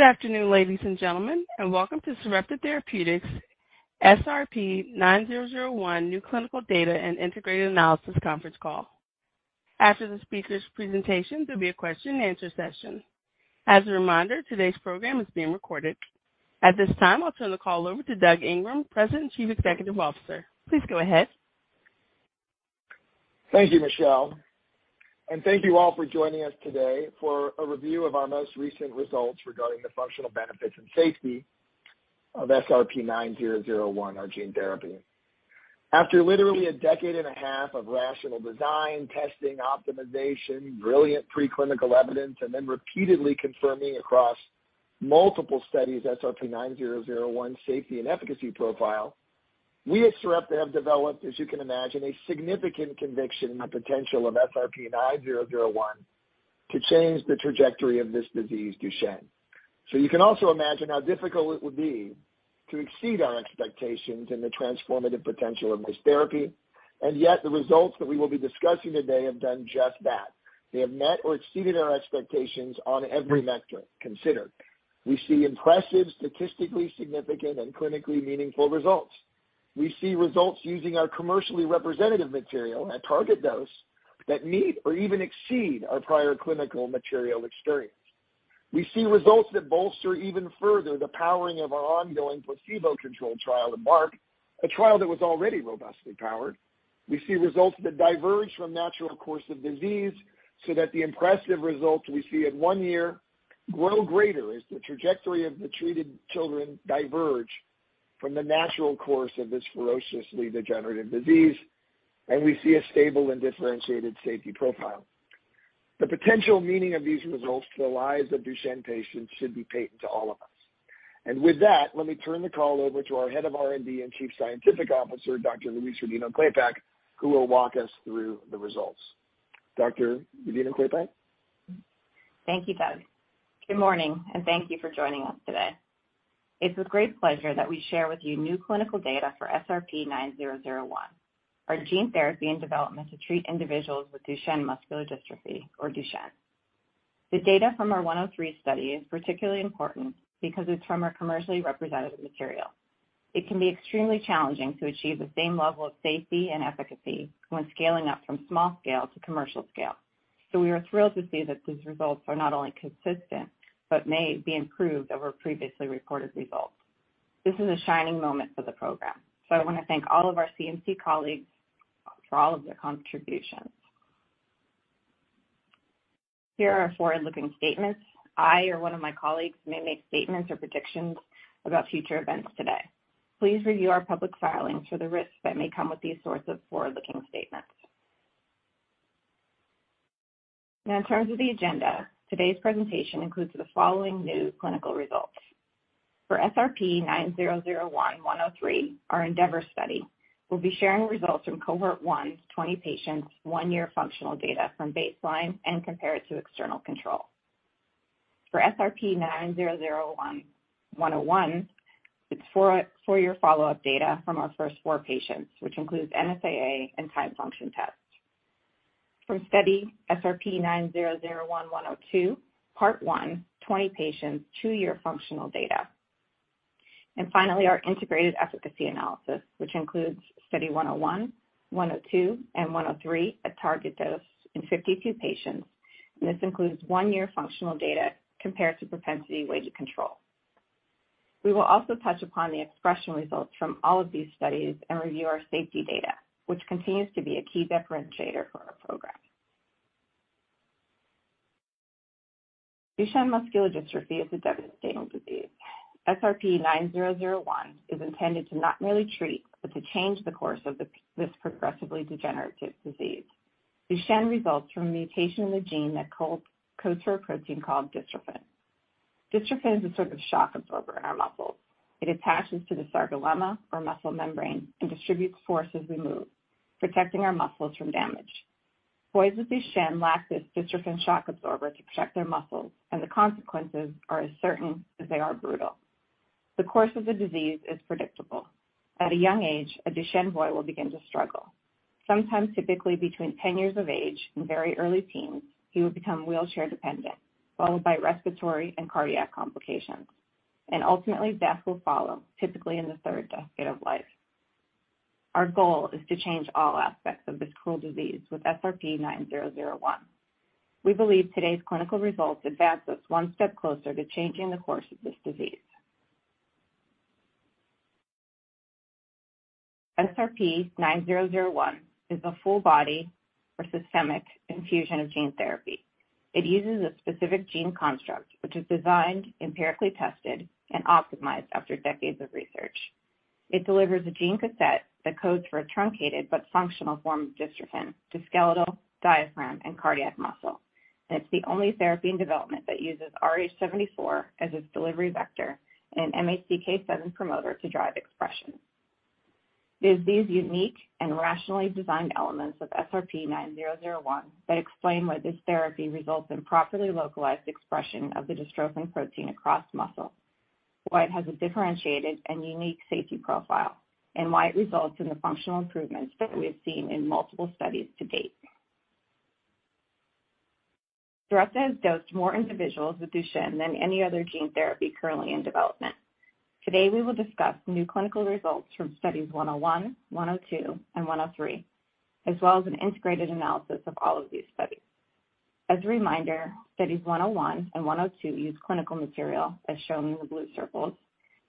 Good afternoon, ladies and gentlemen, and welcome to Sarepta Therapeutics SRP-9001 New Clinical Data and Integrated Analysis conference call. After the speaker's presentation, there'll be a question and answer session. As a reminder, today's program is being recorded. At this time, I'll turn the call over to Doug Ingram, President and Chief Executive Officer. Please go ahead. Thank you, Michelle, and thank you all for joining us today for a review of our most recent results regarding the functional benefits and safety of SRP-9001, our gene therapy. After literally a decade and a half of rational design, testing, optimization, brilliant preclinical evidence, and then repeatedly confirming across multiple studies SRP-9001 safety and efficacy profile, we at Sarepta have developed, as you can imagine, a significant conviction in the potential of SRP-9001 to change the trajectory of this disease, Duchenne. You can also imagine how difficult it would be to exceed our expectations in the transformative potential of this therapy. Yet the results that we will be discussing today have done just that. They have met or exceeded our expectations on every vector considered. We see impressive, statistically significant and clinically meaningful results. We see results using our commercially representative material at target dose that meet or even exceed our prior clinical material experience. We see results that bolster even further the powering of our ongoing placebo-controlled trial, EMBARK, a trial that was already robustly powered. We see results that diverge from natural course of disease so that the impressive results we see at one year grow greater as the trajectory of the treated children diverge from the natural course of this ferociously degenerative disease. We see a stable and differentiated safety profile. The potential meaning of these results to the lives of Duchenne patients should be patent to all of us. With that, let me turn the call over to our Head of R&D and Chief Scientific Officer, Dr. Louise Rodino-Klapac, who will walk us through the results. Dr. Rodino-Klapac. Thank you, Doug. Good morning, and thank you for joining us today. It's with great pleasure that we share with you new clinical data for SRP-9001, our gene therapy in development to treat individuals with Duchenne muscular dystrophy or Duchenne. The data from our 103 study is particularly important because it's from our commercially representative material. It can be extremely challenging to achieve the same level of safety and efficacy when scaling up from small scale to commercial scale. We are thrilled to see that these results are not only consistent, but may be improved over previously reported results. This is a shining moment for the program, so I wanna thank all of our CMC colleagues for all of their contributions. Here are forward-looking statements. I or one of my colleagues may make statements or predictions about future events today. Please review our public filings for the risks that may come with these sorts of forward-looking statements. Now, in terms of the agenda, today's presentation includes the following new clinical results. For SRP-9001-103, our ENDEAVOR study, we'll be sharing results from cohort one's 20 patients one year functional data from baseline and compare it to external control. For SRP-9001-101, it's four year follow-up data from our first four patients, which includes NSAA and timed function test. From study SRP-9001-102, part one, 20 patients, two year functional data. Finally, our integrated efficacy analysis, which includes Study 101, 102, and 103 at target dose in 52 patients, and this includes one year functional data compared to propensity-weighted control. We will also touch upon the expression results from all of these studies and review our safety data, which continues to be a key differentiator for our program. Duchenne muscular dystrophy is a devastating disease. SRP-9001 is intended to not merely treat, but to change the course of this progressively degenerative disease. Duchenne results from a mutation in the gene that codes for a protein called dystrophin. Dystrophin is a sort of shock absorber in our muscles. It attaches to the sarcolemma or muscle membrane and distributes force as we move, protecting our muscles from damage. Boys with Duchenne lack this dystrophin shock absorber to protect their muscles, and the consequences are as certain as they are brutal. The course of the disease is predictable. At a young age, a Duchenne boy will begin to struggle. Sometimes typically between 10 years of age and very early teens, he will become wheelchair dependent, followed by respiratory and cardiac complications, and ultimately death will follow, typically in the third decade of life. Our goal is to change all aspects of this cruel disease with SRP-9001. We believe today's clinical results advance us one step closer to changing the course of this disease. SRP-9001 is a full body or systemic infusion of gene therapy. It uses a specific gene construct, which is designed, empirically tested, and optimized after decades of research. It delivers a gene cassette that codes for a truncated but functional form of dystrophin to skeletal, diaphragm, and cardiac muscle. It's the only therapy in development that uses RH74 as its delivery vector and an MHCK7 promoter to drive expression. It is these unique and rationally designed elements of SRP-9001 that explain why this therapy results in properly localized expression of the dystrophin protein across muscle, why it has a differentiated and unique safety profile, and why it results in the functional improvements that we have seen in multiple studies to date. Sarepta has dosed more individuals with Duchenne than any other gene therapy currently in development. Today, we will discuss new clinical results from Studies 101, 102, and 103, as well as an integrated analysis of all of these studies. As a reminder, Studies 101 and 102 use clinical material, as shown in the blue circles,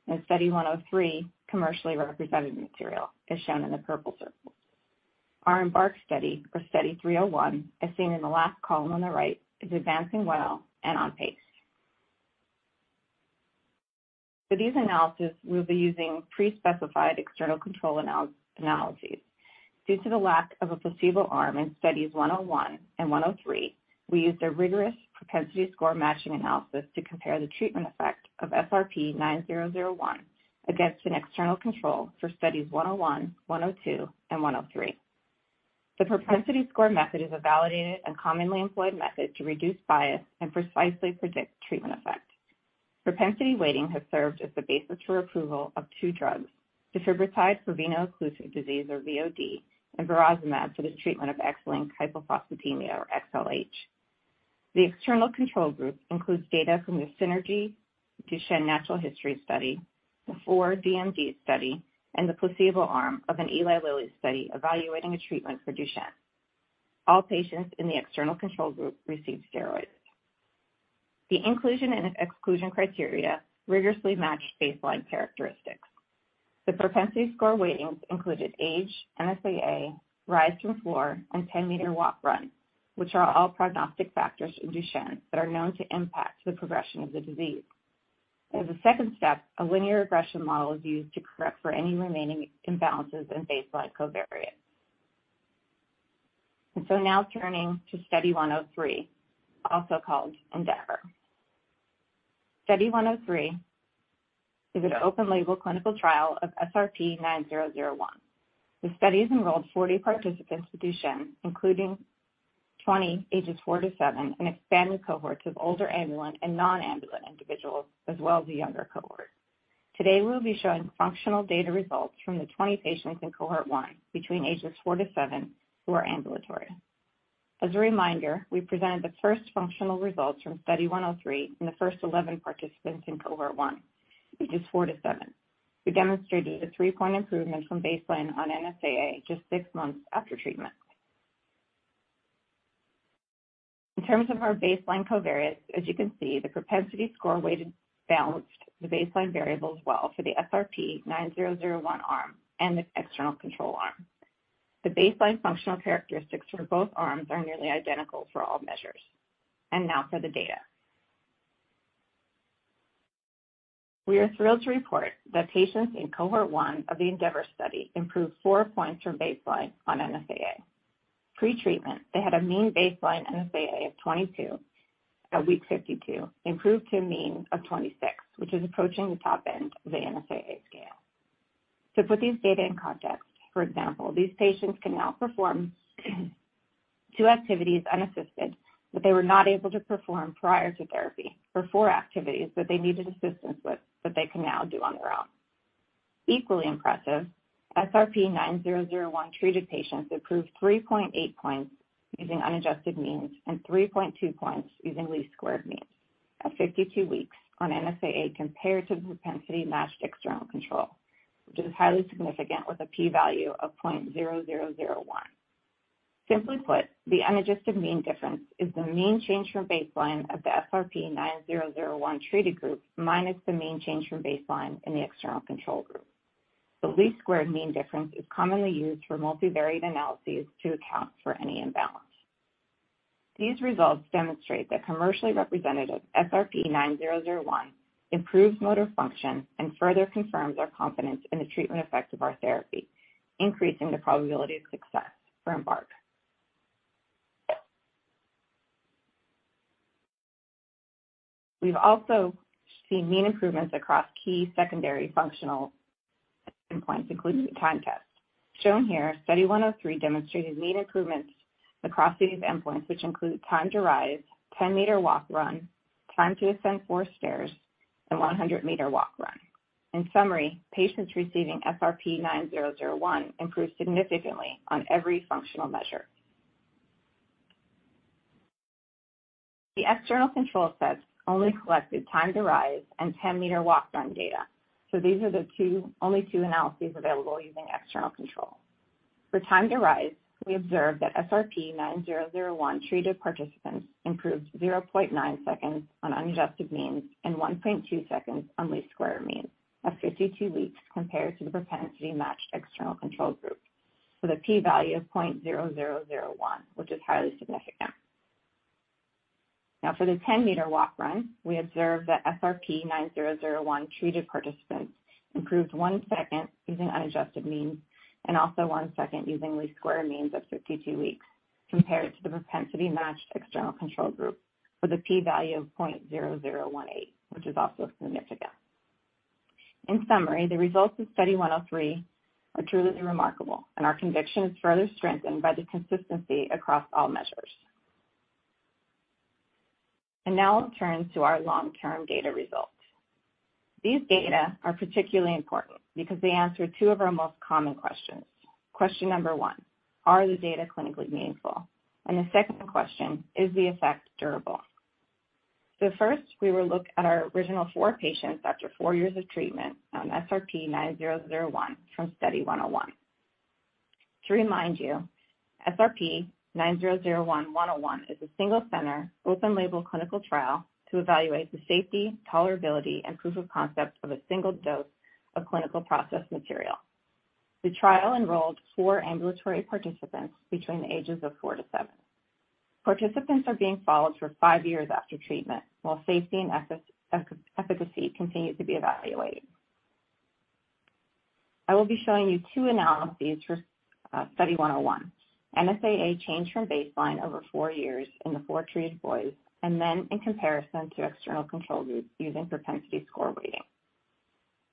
and Study 103, commercially representative material, as shown in the purple circles. Our EMBARK study, or study 301, as seen in the last column on the right, is advancing well and on pace. For these analysis, we'll be using pre-specified external control analyses. Due to the lack of a placebo arm in Studies 101 and 103, we used a rigorous propensity-score matching analysis to compare the treatment effect of SRP-9001 against an external control for Studies 101, 102, and 103. The propensity score method is a validated and commonly employed method to reduce bias and precisely predict treatment effect. Propensity weighting has served as the basis for approval of two drugs, Defibrotide for veno-occlusive disease or VOD, and Burosumab for the treatment of X-linked hypophosphatemia or XLH. The external control group includes data from the CINRG Duchenne Natural History Study, the FOR-DMD study, and the placebo arm of an Eli Lilly study evaluating a treatment for Duchenne. All patients in the external control group received steroids. The inclusion and exclusion criteria rigorously match baseline characteristics. The propensity score weightings included age, NSAA, rise from floor, and 10-meter walk run, which are all prognostic factors in Duchenne that are known to impact the progression of the disease. As a second step, a linear regression model is used to correct for any remaining imbalances in baseline covariates. Now turning to Study 103, also called ENDEAVOR. Study 103 is an open-label clinical trial of SRP-9001. The study has enrolled 40 participants with Duchenne, including 20 ages four to seven, an expanded cohort of older ambulant and non-ambulant individuals, as well as a younger cohort. Today, we'll be showing functional data results from the 20 patients in cohort one between ages four to seven who are ambulatory. As a reminder, we presented the first functional results from Study 103 in the first 11 participants in cohort one, ages four to seven. We demonstrated a three point improvement from baseline on NSAA just six months after treatment. In terms of our baseline covariates, as you can see, the propensity score weighted balanced the baseline variables well for the SRP-9001 arm and the external control arm. The baseline functional characteristics for both arms are nearly identical for all measures. Now for the data. We are thrilled to report that patients in cohort 1 of the ENDEAVOR study improved four points from baseline on NSAA. Pre-treatment, they had a mean baseline NSAA of 22 at week 52, improved to a mean of 26, which is approaching the top end of the NSAA scale. To put these data in context, for example, these patients can now perform two activities unassisted that they were not able to perform prior to therapy, or four activities that they needed assistance with that they can now do on their own. Equally impressive, SRP-9001 treated patients improved 3.8 points using unadjusted means and 3.2 points using least squared means at 52 weeks on NSAA compared to the propensity-matched external control, which is highly significant with a p-value of 0.0001. Simply put, the unadjusted mean difference is the mean change from baseline of the SRP-9001 treated group, minus the mean change from baseline in the external control group. The least squares mean difference is commonly used for multivariate analyses to account for any imbalance. These results demonstrate that commercially representative SRP-9001 improves motor function and further confirms our confidence in the treatment effect of our therapy, increasing the probability of success for EMBARK. We've also seen mean improvements across key secondary functional endpoints, including Timed Test. Shown here, Study 103 demonstrated mean improvements across these endpoints, which include Time to Rise, 10-meter walk/run, Time to Ascend 4 Stairs, and 100-meter walk/run. In summary, patients receiving SRP-9001 improved significantly on every functional measure. The external control sets only collected Time to Rise and 10-meter walk/run data, so these are the only two analyses available using external control. For Time to Rise, we observed that SRP-9001 treated participants improved 0.9 seconds on unadjusted means and 1.2 seconds on least square means at 52 weeks compared to the propensity-matched external control group with a p-value of 0.0001, which is highly significant. Now for the 10-meter walk/run, we observed that SRP-9001 treated participants improved one second using unadjusted means and also one second using least square means at 52 weeks compared to the propensity-matched external control group with a p-value of 0.0018, which is also significant. In summary, the results of Study 103 are truly remarkable, and our conviction is further strengthened by the consistency across all measures. Now I'll turn to our long-term data results. These data are particularly important because they answer two of our most common questions. Question number one, are the data clinically meaningful? The second question, is the effect durable? First, we will look at our original four patients after four years of treatment on SRP-9001 from Study 101. To remind you, SRP-9001-101 is a single-center open-label clinical trial to evaluate the safety, tolerability, and proof-of-concept of a single dose of clinical process material. The trial enrolled four ambulatory participants between the ages of four to seven. Participants are being followed for five years after treatment, while safety and efficacy continue to be evaluated. I will be showing you two analyses for Study 101, NSAA change from baseline over four years in the four treated boys, and then in comparison to external control group using propensity-score weighting.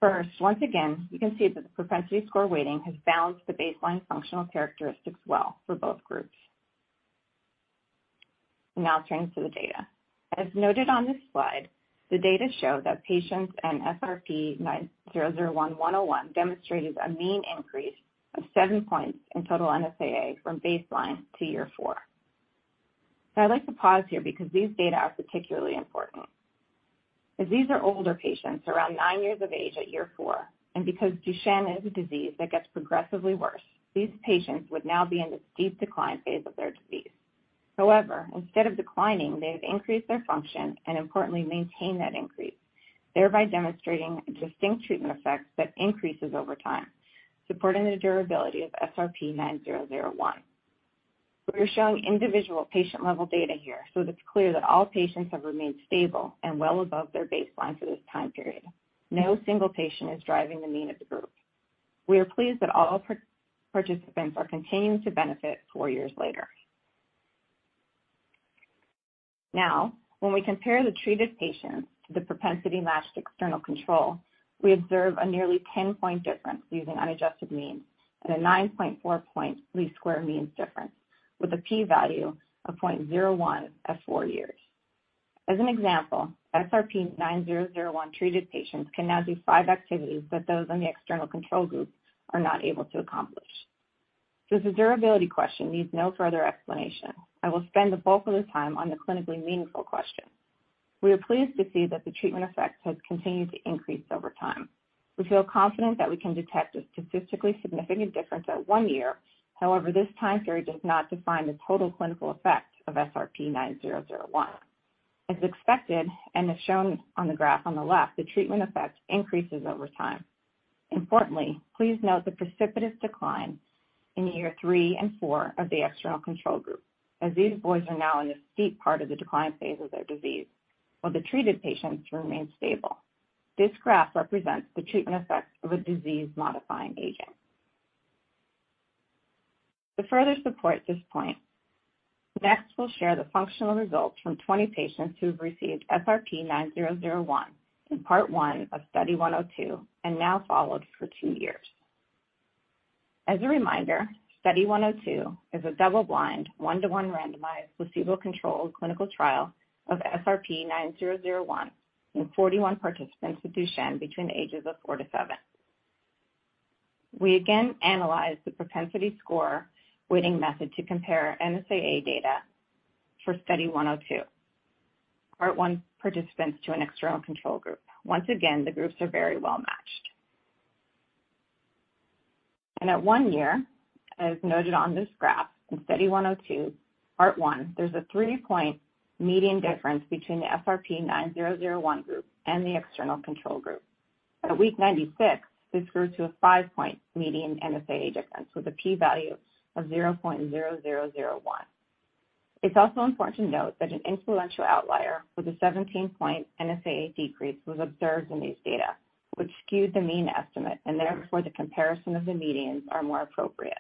First, once again, you can see that the propensity-score weighting has balanced the baseline functional characteristics well for both groups. Now turning to the data. As noted on this slide, the data show that patients in SRP-9001-101 demonstrated a mean increase of seven points in total NSAA from baseline to year four. I'd like to pause here because these data are particularly important. As these are older patients, around nine years of age at year four, and because Duchenne is a disease that gets progressively worse, these patients would now be in the steep decline phase of their disease. However, instead of declining, they have increased their function and importantly maintained that increase, thereby demonstrating a distinct treatment effect that increases over time, supporting the durability of SRP-9001. We are showing individual patient-level data here, so it's clear that all patients have remained stable and well above their baseline for this time period. No single patient is driving the mean of the group. We are pleased that all participants are continuing to benefit four years later. Now, when we compare the treated patients to the propensity-matched external control, we observe a nearly 10-point difference using unadjusted means and a 9.4-point least square means difference with a p-value of 0.01 at four years. As an example, SRP-9001-treated patients can now do five activities that those in the external control group are not able to accomplish. The durability question needs no further explanation. I will spend the bulk of the time on the clinically meaningful question. We are pleased to see that the treatment effect has continued to increase over time. We feel confident that we can detect a statistically significant difference at one year. However, this time period does not define the total clinical effect of SRP-9001. As expected, and as shown on the graph on the left, the treatment effect increases over time. Importantly, please note the precipitous decline in year three and four of the external control group as these boys are now in the steep part of the decline phase of their disease, while the treated patients remain stable. This graph represents the treatment effect of a disease-modifying agent. To further support this point, next, we'll share the functional results from 20 patients who have received SRP-9001 in part one of Study 102 and now followed for two years. As a reminder, Study 102 is a double-blind, 1:1 randomized, placebo-controlled clinical trial of SRP-9001 in 41 participants with Duchenne between the ages of four to seven. We again analyzed the propensity score weighting method to compare NSAA data for Study 102, part one participants to an external control group. Once again, the groups are very well-matched. At one year, as noted on this graph, in Study 102, part one, there's a three point median difference between the SRP-9001 group and the external control group. At week 96, this grew to a five point median NSAA difference with a p-value of 0.0001. It's also important to note that an influential outlier with a 17-point NSAA decrease was observed in these data, which skewed the mean estimate, and therefore, the comparison of the medians are more appropriate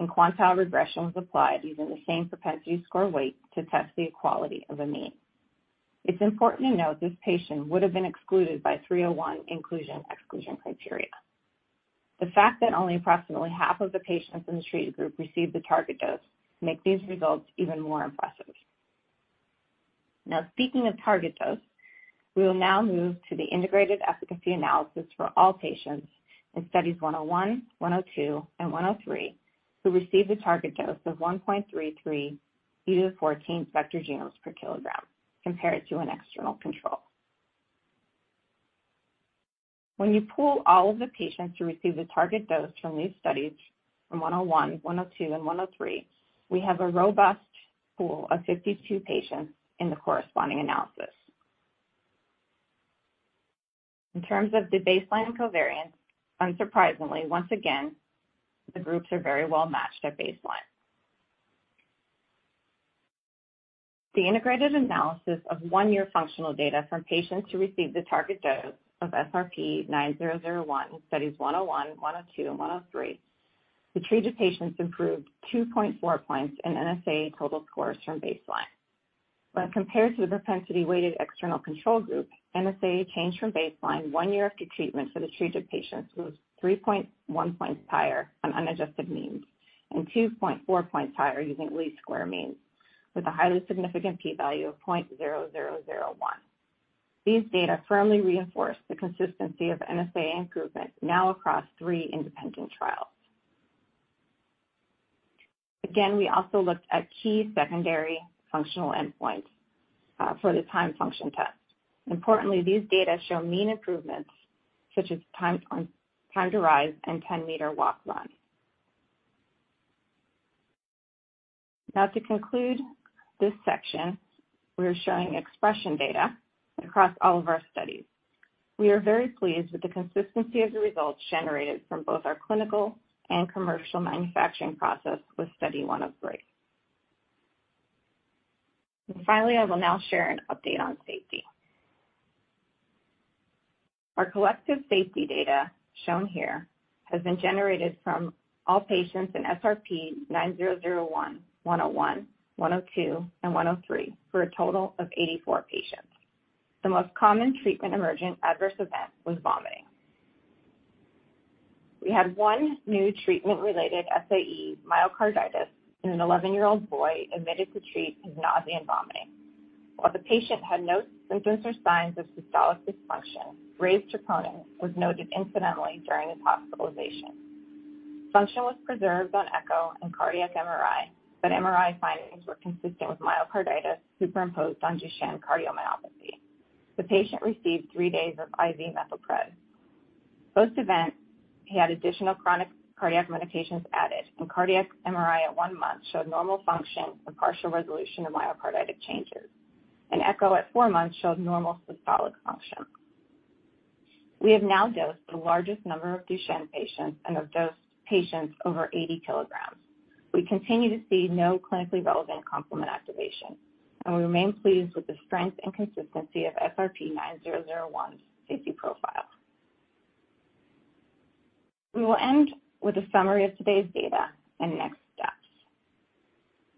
when quantile regression was applied using the same propensity score weight to test the equality of a mean. It's important to note this patient would have been excluded by 301 inclusion/exclusion criteria. The fact that only approximately half of the patients in the treated group received the target dose make these results even more impressive. Now, speaking of target dose, we will now move to the integrated efficacy analysis for all patients in Studies 101, 102, and 103, who received a target dose of 1.33 × 10^14 vector genomes per kilogram compared to an external control. When you pool all of the patients who received a target dose from these studies, from 101, 102, and 103, we have a robust pool of 52 patients in the corresponding analysis. In terms of the baseline covariance, unsurprisingly, once again, the groups are very well-matched at baseline. The integrated analysis of one-year functional data from patients who received the target dose of SRP-9001 in Studies 101, 102, and 103, the treated patients improved 2.4 points in NSAA total scores from baseline. When compared to the propensity weighted external control group, NSAA changed from baseline one year after treatment for the treated patients was 3.1 points higher on unadjusted means. Two point four points higher using least square means with a highly significant p-value of 0.0001. These data firmly reinforce the consistency of NSAA improvement now across three independent trials. Again, we also looked at key secondary functional endpoints for the time function test. Importantly, these data show mean improvements such as time to rise and 10-meter walk run. Now, to conclude this section, we're showing expression data across all of our studies. We are very pleased with the consistency of the results generated from both our clinical and commercial manufacturing process with study one of three. Finally, I will now share an update on safety. Our collective safety data shown here has been generated from all patients in SRP-9001-101, SRP-9001-102, and SRP-9001-103 for a total of 84 patients. The most common treatment emergent adverse event was vomiting. We had one new treatment-related SAE myocarditis in an 11-year-old boy admitted to treat his nausea and vomiting. While the patient had no symptoms or signs of systolic dysfunction, raised troponin was noted incidentally during his hospitalization. Function was preserved on echo and cardiac MRI, but MRI findings were consistent with myocarditis superimposed on Duchenne cardiomyopathy. The patient received 3 days of IV methylprednisolone. Post-event, he had additional chronic cardiac medications added, and cardiac MRI at 1 month showed normal function with partial resolution of myocarditis changes. An echo at four months showed normal systolic function. We have now dosed the largest number of Duchenne patients and have dosed patients over 80 kilograms. We continue to see no clinically relevant complement activation, and we remain pleased with the strength and consistency of SRP-9001 safety profile. We will end with a summary of today's data and next steps.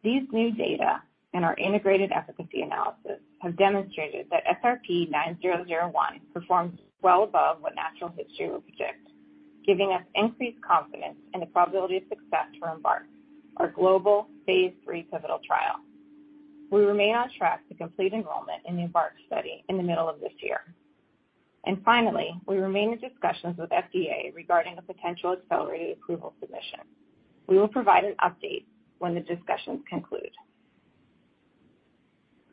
These new data and our integrated efficacy analysis have demonstrated that SRP-9001 performs well above what natural history would predict, giving us increased confidence in the probability of success for EMBARK, our global phase III pivotal trial. We remain on track to complete enrollment in the EMBARK study in the middle of this year. Finally, we remain in discussions with FDA regarding a potential accelerated approval submission. We will provide an update when the discussions conclude.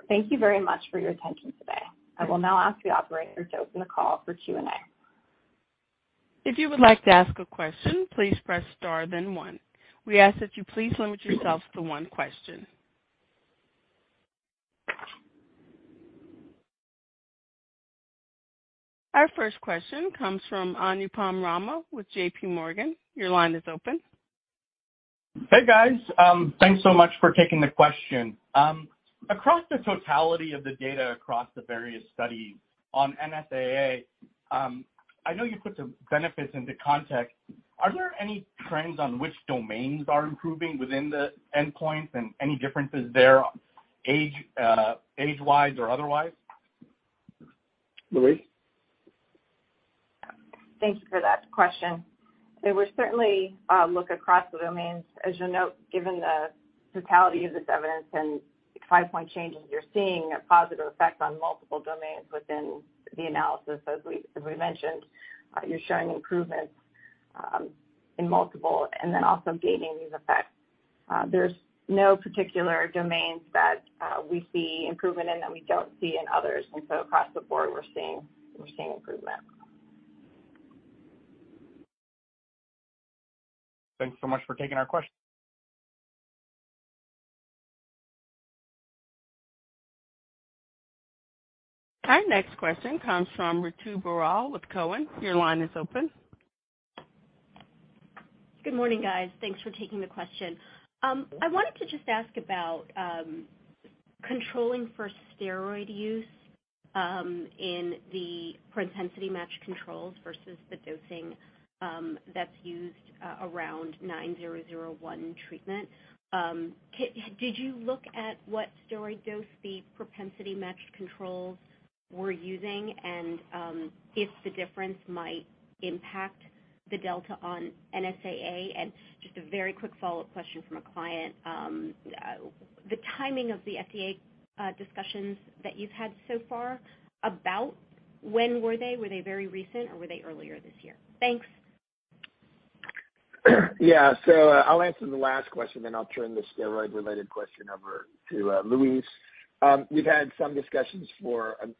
Thank you very much for your attention today. I will now ask the operator to open the call for Q&A. If you would like to ask a question, please press star then one. We ask that you please limit yourself to one question. Our first question comes from Anupam Rama with JPMorgan. Your line is open. Hey, guys. Thanks so much for taking the question. Across the totality of the data across the various studies on NSAA, I know you put the benefits into context. Are there any trends on which domains are improving within the endpoints and any differences there age-wise or otherwise? Louise? Thank you for that question. We certainly look across the domains. As you'll note, given the totality of this evidence and 5-point changes, you're seeing a positive effect on multiple domains within the analysis. As we mentioned, you're showing improvements in multiple and then also gaining these effects. There's no particular domains that we see improvement in that we don't see in others. Across the board, we're seeing improvement. Thanks so much for taking our question. Our next question comes from Ritu Baral with TD Cowen. Your line is open. Good morning, guys. Thanks for taking the question. I wanted to just ask about controlling for steroid use in the propensity match controls versus the dosing that's used around SRP-9001 treatment. Did you look at what steroid dose the propensity matched controls were using and if the difference might impact the delta on NSAA? Just a very quick follow-up question from a client. The timing of the FDA discussions that you've had so far about when were they? Were they very recent, or were they earlier this year? Thanks. Yeah. I'll answer the last question, then I'll turn the steroid related question over to Louise Rodino-Klapac. I'm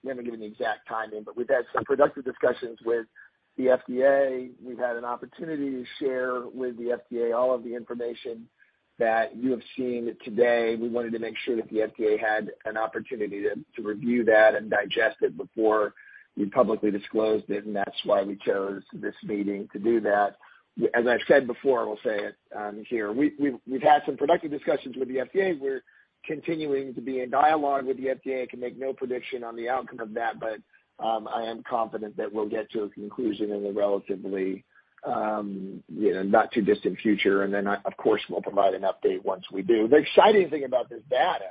gonna give you an exact timing, but we've had some productive discussions with the FDA. We've had an opportunity to share with the FDA all of the information that you have seen today. We wanted to make sure that the FDA had an opportunity to review that and digest it before we publicly disclosed it, and that's why we chose this meeting to do that. As I've said before, I will say it here. We've had some productive discussions with the FDA. We're continuing to be in dialogue with the FDA, can make no prediction on the outcome of that, but I am confident that we'll get to a conclusion in a relatively, you know, not too distant future. Of course, we'll provide an update once we do. The exciting thing about this data.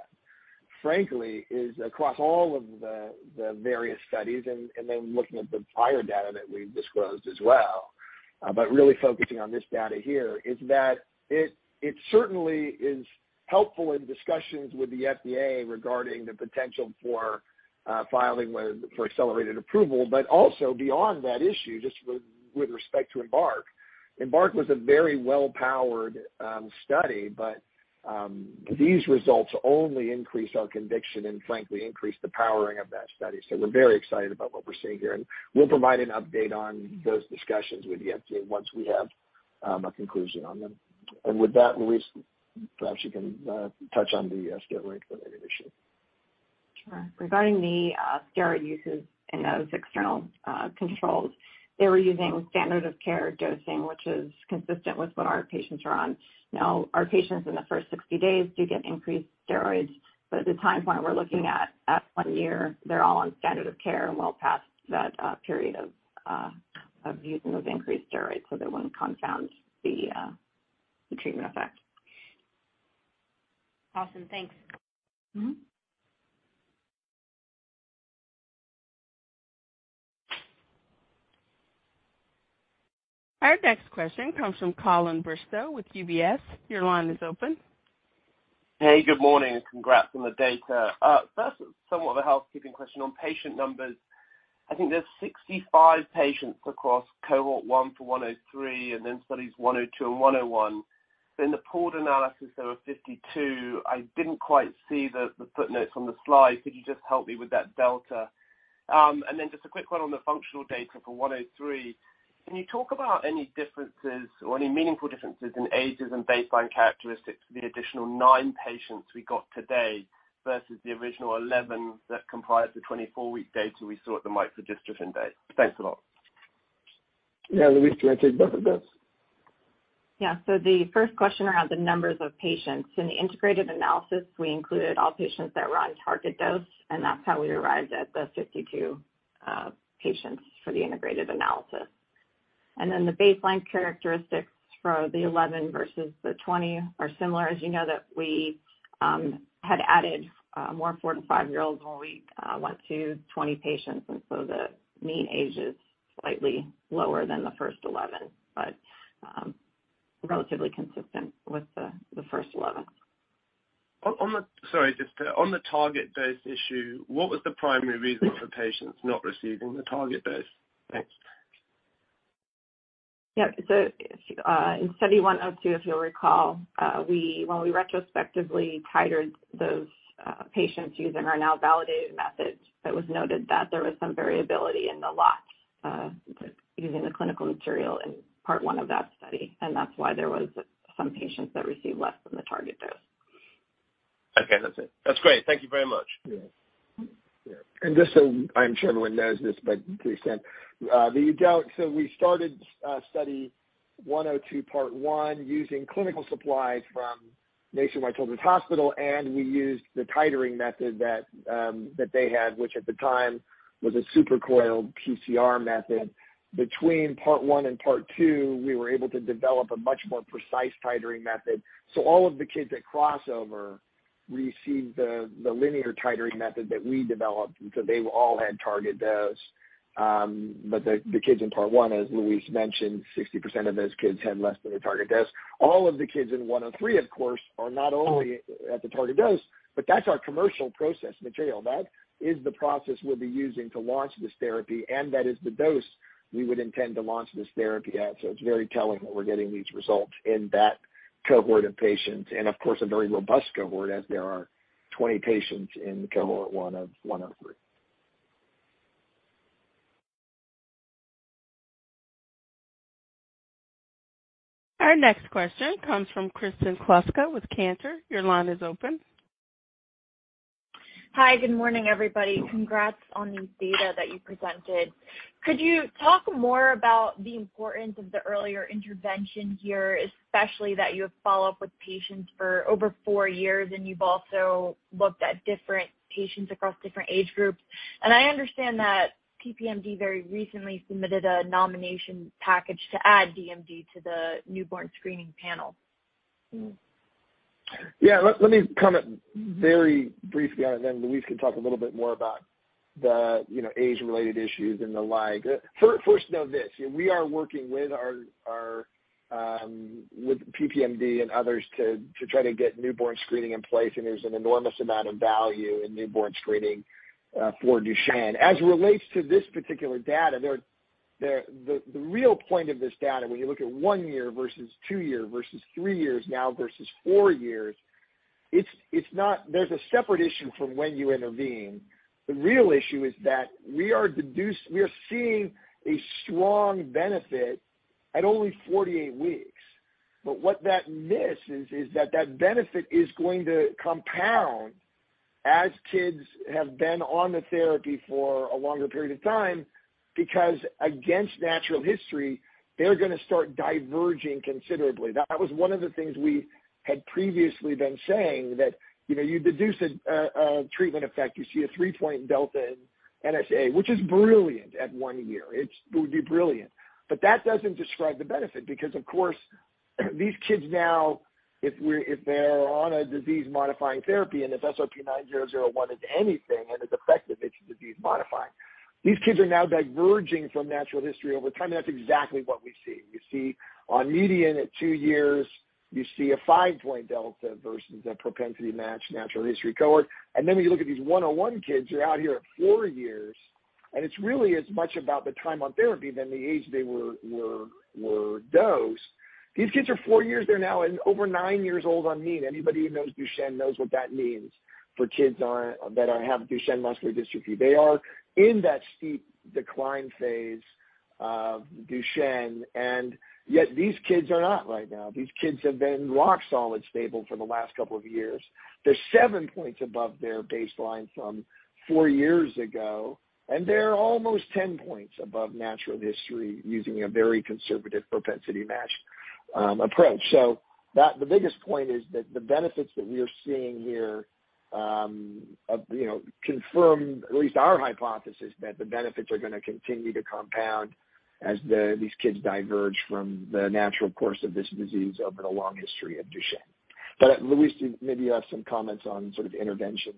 Frankly is across all of the various studies and then looking at the prior data that we've disclosed as well. But really focusing on this data here is that it certainly is helpful in discussions with the FDA regarding the potential for filing whether for accelerated approval, but also beyond that issue, just with respect to EMBARK. EMBARK was a very well powered study. These results only increase our conviction and frankly increase the powering of that study. We're very excited about what we're seeing here, and we'll provide an update on those discussions with the FDA once we have a conclusion on them. With that, Louise, perhaps you can touch on the steroid-related issue. Sure. Regarding the steroid uses in those external controls, they were using standard of care dosing, which is consistent with what our patients are on. Now, our patients in the first 60 days do get increased steroids, but at the time point we're looking at one year, they're all on standard of care and well past that period of using those increased steroids so that it wouldn't confound the treatment effect. Awesome. Thanks. Mm-hmm. Our next question comes from Colin Bristow with UBS. Your line is open. Hey, good morning, and congrats on the data. First, somewhat of a housekeeping question on patient numbers. I think there's 65 patients across cohort one for 103 and then Studies 102 and 101. In the pooled analysis there were 52. I didn't quite see the footnotes on the slide. Could you just help me with that delta? And then just a quick one on the functional data for 103. Can you talk about any differences or any meaningful differences in ages and baseline characteristics for the additional 9 patients we got today versus the original 11 that comprised the 24-week data we saw at the micro-dystrophin day? Thanks a lot. Yeah. Louise, do you wanna take both of those? Yeah. The first question around the numbers of patients. In the integrated analysis, we included all patients that were on target dose, and that's how we arrived at the 52 patients for the integrated analysis. The baseline characteristics for the 11 versus the 20 are similar. As you know, we had added more four to five-year-olds when we went to 20 patients, and so the mean age is slightly lower than the first 11, but relatively consistent with the first 11. Sorry, just on the target dose issue, what was the primary reason for patients not receiving the target dose? Thanks. Yeah. In Study 102, if you'll recall, when we retrospectively titrate those patients using our now validated methods, it was noted that there was some variability in the lot using the clinical material in part one of that study, and that's why there was some patients that received less than the target dose. Okay. That's it. That's great. Thank you very much. Just so I'm sure everyone knows this, but please suspend the doubt. We started Study 102, part one using clinical supplies from Nationwide Children's Hospital, and we used the titer method that they had, which at the time was a supercoiled PCR method. Between part one and part two, we were able to develop a much more precise titer method. All of the kids at crossover received the linear titer method that we developed, and they all had target dose. The kids in part one, as Louise mentioned, 60% of those kids had less than a target dose. All of the kids in 103, of course, are not only at the target dose, but that's our commercial process material. That is the process we'll be using to launch this therapy, and that is the dose we would intend to launch this therapy at. It's very telling that we're getting these results in that cohort of patients and of course a very robust cohort as there are 20 patients in cohort 1 of 103. Our next question comes from Kristen Kluska with Cantor. Your line is open. Hi. Good morning, everybody. Congrats on these data that you presented. Could you talk more about the importance of the earlier intervention here, especially that you have follow-up with patients for over four years, and you've also looked at different patients across different age groups? I understand that PPMD very recently submitted a nomination package to add DMD to the newborn screening panel. Let me comment very briefly on it, and then Louise can talk a little bit more about the, you know, age-related issues and the like. First, know this, you know, we are working with our with PPMD and others to try to get newborn screening in place, and there's an enormous amount of value in newborn screening for Duchenne. As it relates to this particular data, the real point of this data, when you look at one year versus two year versus three years now versus four years, it's not. There's a separate issue from when you intervene. The real issue is that we are seeing a strong benefit at only 48 weeks. What that miss is that that benefit is going to compound as kids have been on the therapy for a longer period of time because against natural history, they're gonna start diverging considerably. That was one of the things we had previously been saying that, you know, you deduce a treatment effect, you see a three-point delta in NSA, which is brilliant at one year. It would be brilliant. That doesn't describe the benefit because, of course these kids now, if they're on a disease modifying therapy, and if SRP-9001 is anything and is effective, it's disease modifying. These kids are now diverging from natural history over time, and that's exactly what we see. You see on median at two years, you see a five-point delta versus a propensity matched natural history cohort. When you look at these 101 kids, you're out here at four years, and it's really as much about the time on therapy than the age they were dosed. These kids are four years. They're now over nine years old on average. Anybody who knows Duchenne knows what that means for kids that have Duchenne muscular dystrophy. They are in that steep decline phase of Duchenne, and yet these kids are not right now. These kids have been rock solid stable for the last couple of years. They're seven points above their baseline from four years ago, and they're almost 10 points above natural history using a very conservative propensity match approach. The biggest point is that the benefits that we are seeing here confirm at least our hypothesis that the benefits are gonna continue to compound as these kids diverge from the natural course of this disease over the long history of Duchenne. Louise, maybe you have some comments on sort of intervention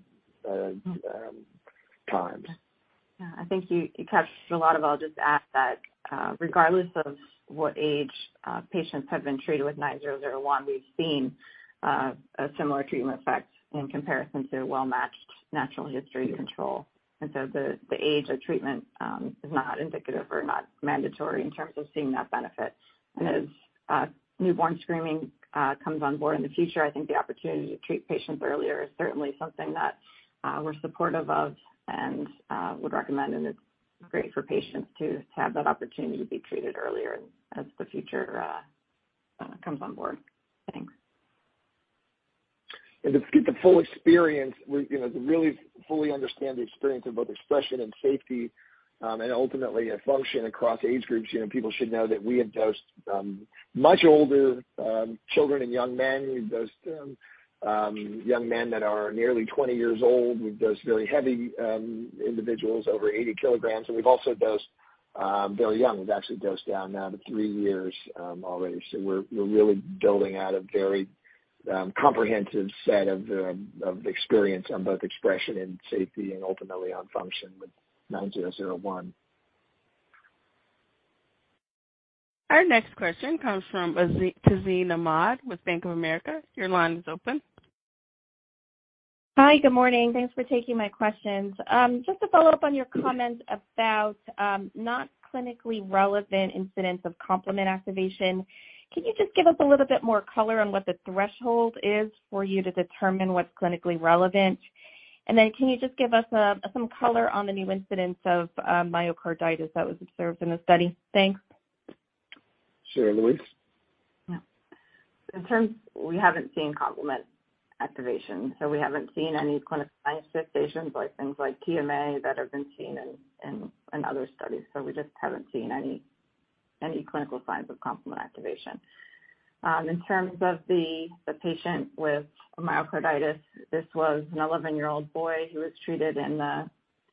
times? Yeah. I think you touched a lot. I'll just add that, regardless of what age patients have been treated with 9001, we've seen a similar treatment effect in comparison to well-matched natural history control. The age of treatment is not indicative or not mandatory in terms of seeing that benefit. As newborn screening comes on board in the future, I think the opportunity to treat patients earlier is certainly something that we're supportive of and would recommend, and it's great for patients to have that opportunity to be treated earlier as the future comes on board. Thanks. To get the full experience, we, you know, to really fully understand the experience of both expression and safety, and ultimately function across age groups, you know, people should know that we have dosed much older children and young men. We've dosed young men that are nearly 20 years old. We've dosed very heavy individuals over 80 kilograms, and we've also dosed very young. We've actually dosed down now to three years already. We're really building out a very comprehensive set of experience on both expression and safety and ultimately on function with 9001. Our next question comes from Tazeen Ahmad with Bank of America. Your line is open. Hi. Good morning. Thanks for taking my questions. Just to follow up on your comment about not clinically relevant incidents of complement activation, can you just give us a little bit more color on what the threshold is for you to determine what's clinically relevant? Can you just give us some color on the new incidence of myocarditis that was observed in the study? Thanks. Sure, Louise. Yeah. In terms we haven't seen complement activation, so we haven't seen any clinical signs of activation like things like TMA that have been seen in other studies. We just haven't seen any clinical signs of complement activation. In terms of the patient with myocarditis, this was an 11-year-old boy who was treated in the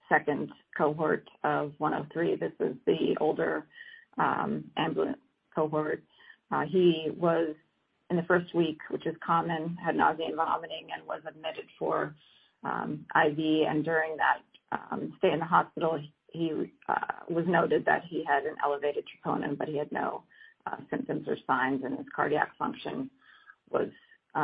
second cohort of 103. This is the older ambulant cohort. He was in the first week, which is common, had nausea and vomiting and was admitted for IV. During that stay in the hospital, he was noted that he had an elevated troponin, but he had no symptoms or signs, and his cardiac function was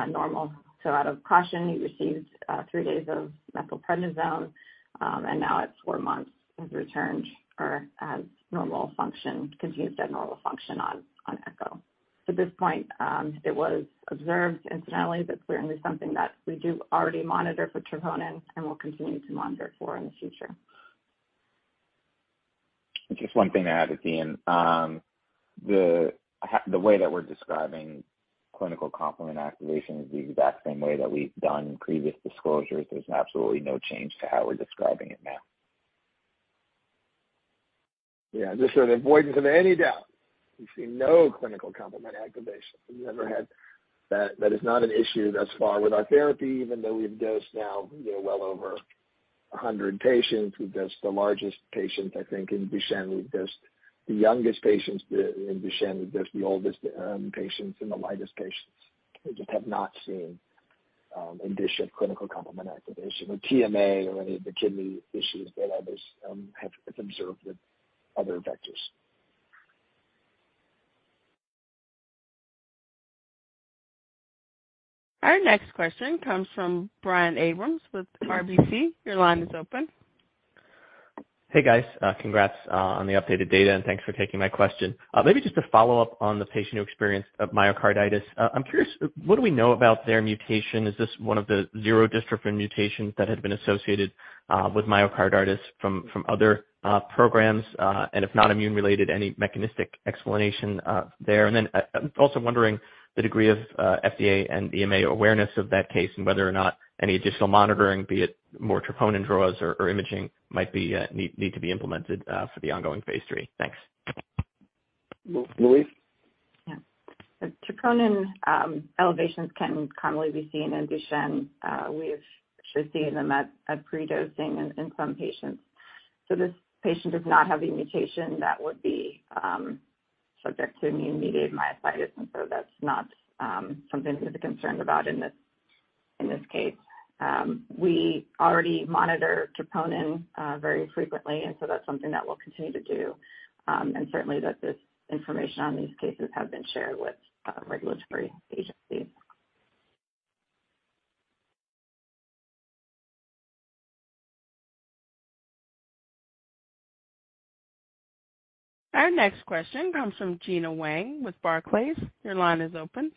normal. Out of caution, he received 3 days of methylprednisolone, and now at four months has returned or has normal function. Continues to have normal function on echo. To this point, it was observed incidentally, but clearly something that we do already monitor for troponin and will continue to monitor for in the future. Just one thing to add, this being the way that we're describing clinical complement activation is the exact same way that we've done previous disclosures. There's absolutely no change to how we're describing it now. Yeah. Just for the avoidance of any doubt, we've seen no clinical complement activation. We've never had that. That is not an issue thus far with our therapy, even though we've dosed now, you know, well over 100 patients. We've dosed the largest patients, I think, in Duchenne. We've dosed the youngest patients in Duchenne. We've dosed the oldest patients and the lightest patients. We just have not seen in Duchenne clinical complement activation or TMA or any of the kidney issues that others have observed with other vectors. Our next question comes from Brian Abrahams with RBC. Your line is open. Hey, guys. Congrats on the updated data, and thanks for taking my question. Maybe just to follow up on the patient who experienced myocarditis. I'm curious, what do we know about their mutation? Is this one of the zero dystrophin mutations that had been associated with myocarditis from other programs? If not immune related, any mechanistic explanation there? Also wondering the degree of FDA and EMA awareness of that case and whether or not any additional monitoring, be it more troponin draws or imaging, might need to be implemented for the ongoing phase III. Thanks. Louise? Yeah. Troponin elevations can commonly be seen in Duchenne. We have seen them at predosing in some patients. This patient does not have a mutation that would be subject to immune-mediated myositis, and so that's not something we have a concern about in this case. We already monitor troponin very frequently, and so that's something that we'll continue to do. And certainly this information on these cases have been shared with regulatory agencies. Our next question comes from Gena Wang with Barclays. Your line is open.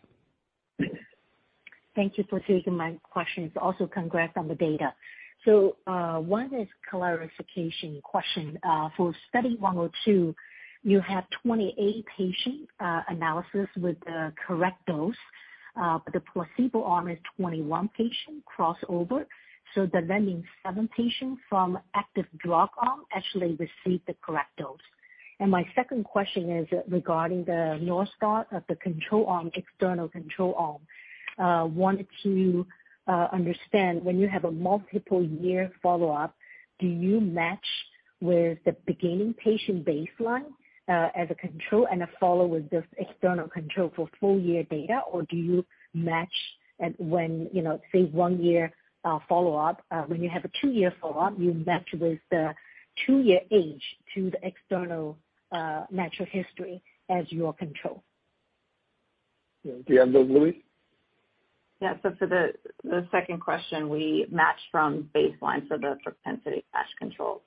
Thank you for taking my questions. Also, congrats on the data. One is clarification question. For Study 102, you have 28-patient analysis with the correct dose. The placebo arm is 21-patient crossover. Does that mean seven patients from active drug arm actually received the correct dose? My second question is regarding the North Star of the control arm, external control arm. Wanted to understand when you have a multiple year follow-up, do you match with the beginning patient baseline as a control and follow with this external control for full year data, or do you match at when, you know, say one year follow-up, when you have a two-year follow-up, you match with the two-year age to the external natural history as your control? Yeah. Do you have those, Louise? For the second question, we match from baseline, so the propensity-matched controls.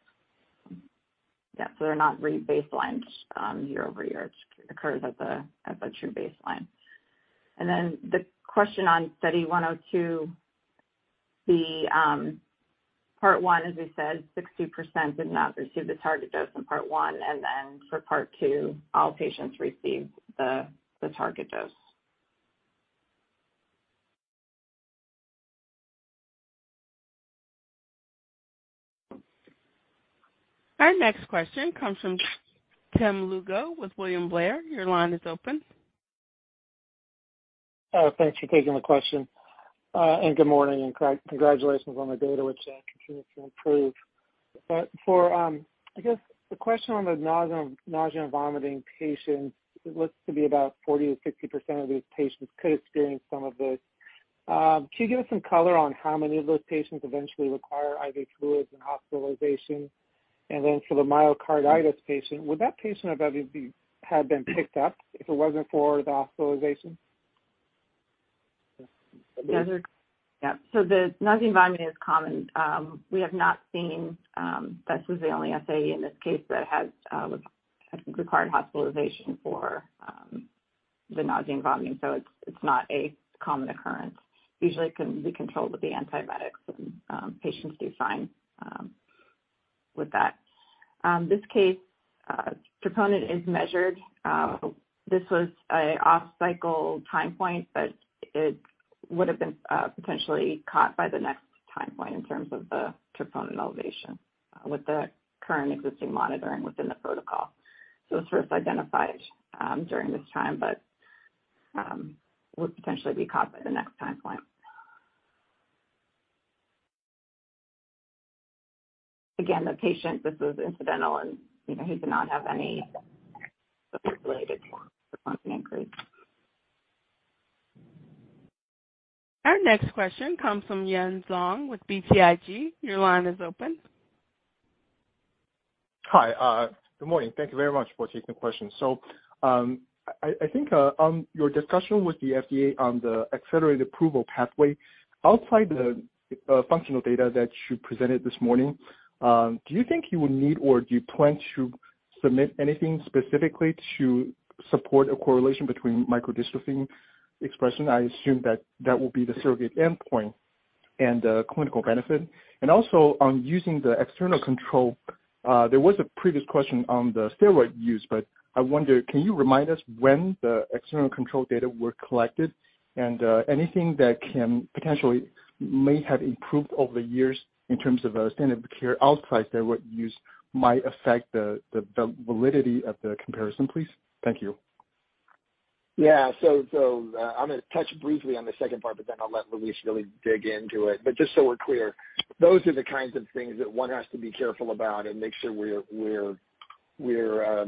They're not rebaselined year-over-year. It occurs as a true baseline. The question on Study 102, part one, as we said, 60% did not receive the target dose in part one. For part two, all patients received the target dose. Our next question comes from Tim Lugo with William Blair. Your line is open. Oh, thanks for taking the question. Good morning and congratulations on the data which continues to improve. I guess the question on the nausea and vomiting patients, it looks to be about 40%-60% of these patients could experience some of this. Can you give us some color on how many of those patients eventually require IV fluids and hospitalization? For the myocarditis patient, would that patient have been picked up if it wasn't for the hospitalization? Yeah. The nausea and vomiting is common. We have not seen this. This was the only SAE in this case that has required hospitalization for the nausea and vomiting, so it's not a common occurrence. Usually it can be controlled with the antibiotics and patients do fine with that. This case, troponin is measured. This was an off-cycle time point, but it would've been potentially caught by the next time point in terms of the troponin elevation with the current existing monitoring within the protocol. It's sort of identified during this time, but would potentially be caught by the next time point. Again, the patient, this was incidental and, you know, he did not have any related function increase. Our next question comes from Yanan Zhu with BTIG. Your line is open. Hi. Good morning. Thank you very much for taking the question. I think on your discussion with the FDA on the accelerated approval pathway, outside the functional data that you presented this morning, do you think you would need, or do you plan to submit anything specifically to support a correlation between micro-dystrophin expression? I assume that that will be the surrogate endpoint and clinical benefit. And also on using the external control, there was a previous question on the steroid use, but I wonder, can you remind us when the external control data were collected and anything that can potentially may have improved over the years in terms of standard of care outside steroid use might affect the validity of the comparison, please? Thank you. I'm gonna touch briefly on the second part, but then I'll let Louise really dig into it. Just so we're clear, those are the kinds of things that one has to be careful about and make sure we're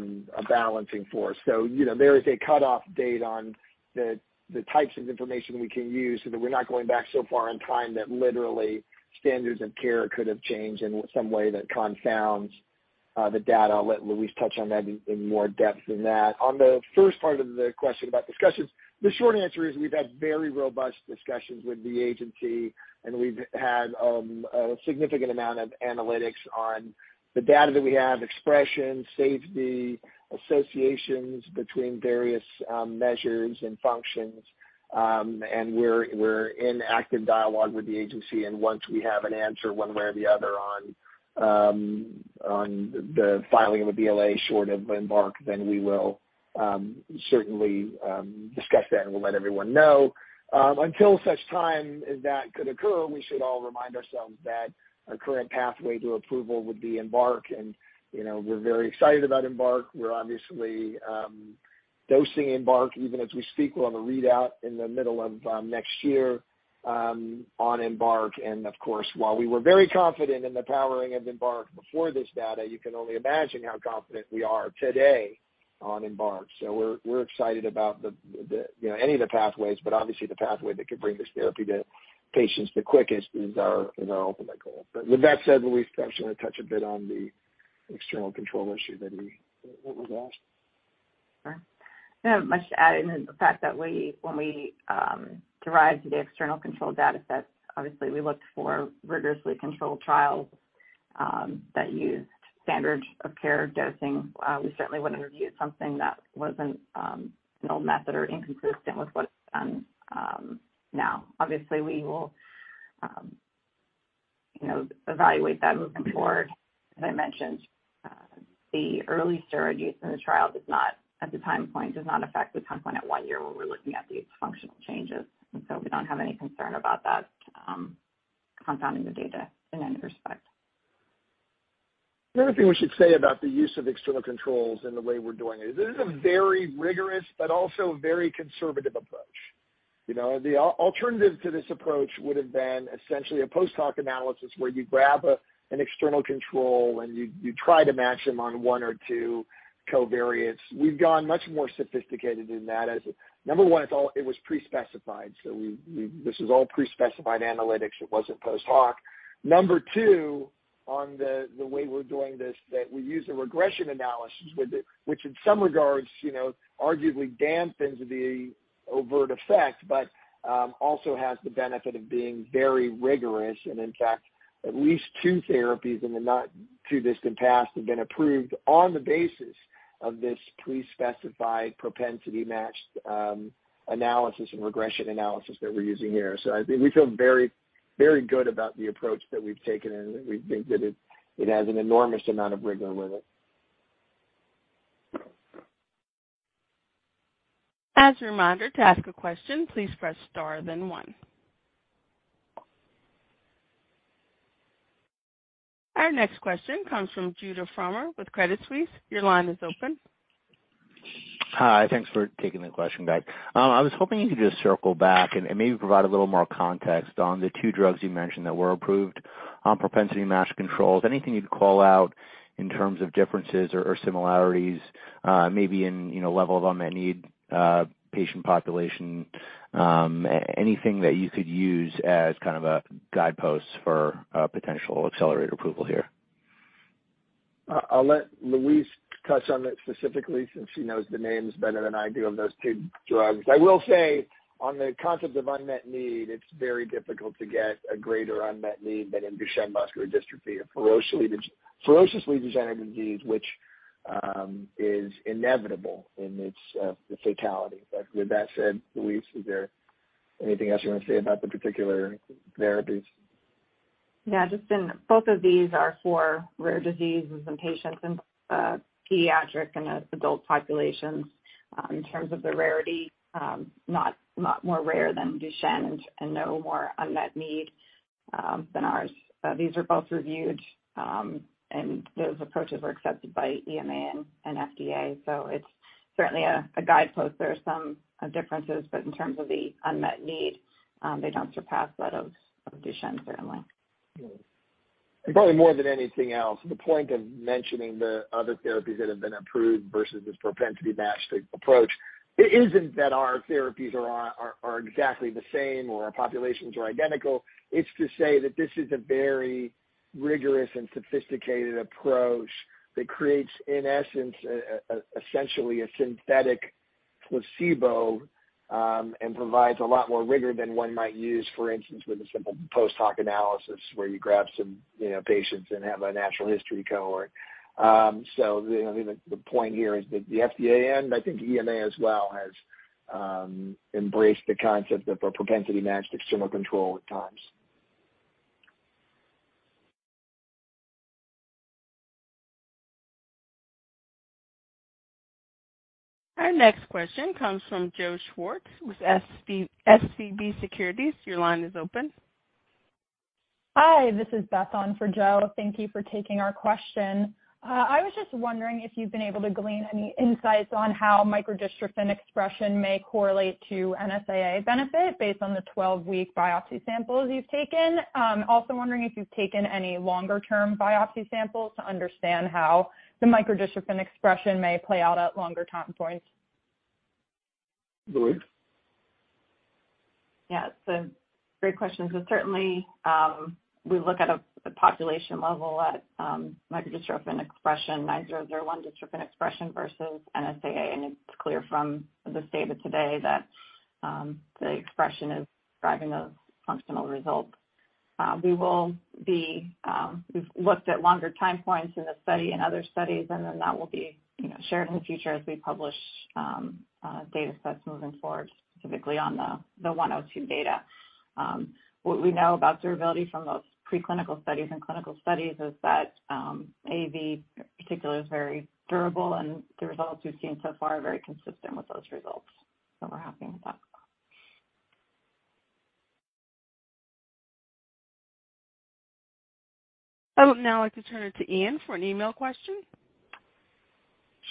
balancing for. You know, there is a cutoff date on the types of information we can use so that we're not going back so far in time that literally standards of care could have changed in some way that confounds the data. I'll let Louise touch on that in more depth than that. On the first part of the question about discussions, the short answer is we've had very robust discussions with the agency, and we've had a significant amount of analytics on the data that we have, expression, safety, associations between various measures and functions. We're in active dialogue with the agency, and once we have an answer one way or the other on the filing of a BLA short of EMBARK, then we will certainly discuss that, and we'll let everyone know. Until such time as that could occur, we should all remind ourselves that our current pathway to approval would be EMBARK. You know, we're very excited about EMBARK. We're obviously dosing EMBARK even as we speak. We'll have a readout in the middle of next year on EMBARK and of course, while we were very confident in the powering of EMBARK before this data, you can only imagine how confident we are today on EMBARK. We're excited about the you know any of the pathways, but obviously the pathway that could bring this therapy to patients the quickest is our ultimate goal. With that said, Louise, perhaps you wanna touch a bit on the external control issue that was asked. Sure. I don't have much to add other than the fact that when we derived the external control data sets, obviously we looked for rigorously controlled trials that used standard of care dosing. We certainly wouldn't review something that wasn't an old method or inconsistent with what's done now. Obviously, we will, you know, evaluate that moving forward. As I mentioned, the early steroid use in the trial does not affect the time point at one year when we're looking at these functional changes. We don't have any concern about that confounding the data in any respect. The other thing we should say about the use of external controls and the way we're doing it is this is a very rigorous but also very conservative approach. You know, the alternative to this approach would've been essentially a post hoc analysis where you grab an external control and you try to match them on one or two covariates. We've gone much more sophisticated than that as number one, it was all pre-specified, so this was all pre-specified analytics. It wasn't post hoc. Number two, on the way we're doing this, that we use a regression analysis with it, which in some regards, you know, arguably dampens the overt effect, but also has the benefit of being very rigorous. In fact, at least two therapies in the not too distant past have been approved on the basis of this pre-specified propensity matched analysis and regression analysis that we're using here. I think we feel very, very good about the approach that we've taken and we think that it has an enormous amount of rigor with it. As a reminder, to ask a question, please press star then one. Our next question comes from Judah Frommer with Credit Suisse. Your line is open. Hi. Thanks for taking the question, guys. I was hoping you could just circle back and maybe provide a little more context on the two drugs you mentioned that were approved on propensity-matched controls. Anything you'd call out in terms of differences or similarities, maybe in, you know, level of unmet need, patient population, anything that you could use as kind of a guidepost for a potential accelerated approval here. I'll let Louise touch on it specifically since she knows the names better than I do of those two drugs. I will say on the concept of unmet need, it's very difficult to get a greater unmet need than in Duchenne muscular dystrophy, a ferociously degenerative disease which is inevitable in its the fatality. With that said, Louise, is there anything else you wanna say about the particular therapies? Yeah. Just in both of these are for rare diseases in patients in pediatric and adult populations, in terms of the rarity, not more rare than Duchenne and no more unmet need than ours. These are both reviewed and those approaches were accepted by EMA and FDA. It's certainly a guidepost. There are some differences, but in terms of the unmet need, they don't surpass that of Duchenne certainly. Probably more than anything else, the point of mentioning the other therapies that have been approved versus this propensity matched approach, it isn't that our therapies are exactly the same or our populations are identical. It's to say that this is a very rigorous and sophisticated approach that creates, in essence, essentially a synthetic placebo and provides a lot more rigor than one might use, for instance, with a simple post hoc analysis where you grab some, you know, patients and have a natural history cohort. You know, I think the point here is that the FDA and I think EMA as well has embraced the concept of a propensity matched external control at times. Our next question comes from Joseph Schwartz with SVB Securities. Your line is open. Hi, this is Beth on for Joe. Thank you for taking our question. I was just wondering if you've been able to glean any insights on how micro-dystrophin expression may correlate to NSAA benefit based on the 12-week biopsy samples you've taken. Also wondering if you've taken any longer term biopsy samples to understand how the micro-dystrophin expression may play out at longer time points. Louise? Yeah. Great question. Certainly, we look at a population level at micro-dystrophin expression, SRP-9001 dystrophin expression versus NSAA, and it's clear from the data today that the expression is driving those functional results. We will be, we've looked at longer time points in the study, in other studies, and then that will be, you know, shared in the future as we publish data sets moving forward, specifically on the 102 data. What we know about durability from those preclinical studies and clinical studies is that AAV in particular is very durable and the results we've seen so far are very consistent with those results, so we're happy with that. I would now like to turn it to Ian for an email question.